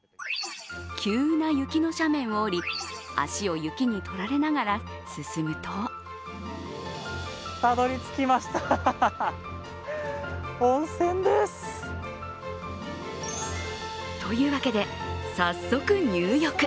急な雪の斜面を降り、足を雪に取られながら進むとというわけで、早速入浴。